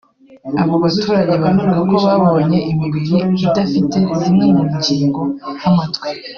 abo baturage bavuga ko babonye imibiri idafite zimwe mu ngingo nk’amatwi